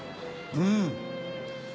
うん。